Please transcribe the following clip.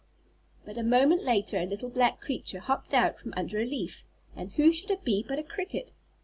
But a moment later a little black creature hopped out from under a leaf, and who should it be but a cricket.